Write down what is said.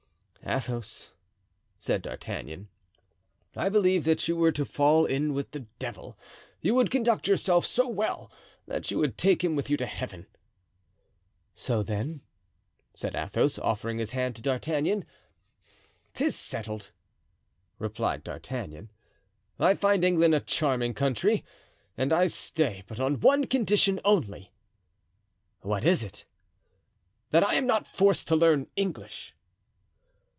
"Athos," said D'Artagnan, "I believe that were you to fall in with the devil, you would conduct yourself so well that you would take him with you to Heaven." "So, then?" said Athos, offering his hand to D'Artagnan. "'Tis settled," replied D'Artagnan. "I find England a charming country, and I stay—but on one condition only." "What is it?" "That I am not forced to learn English."